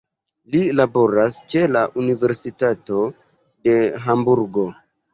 Li laboras ĉe la Universitato de Hamburgo.